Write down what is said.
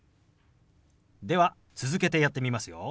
では続けてやってみますよ。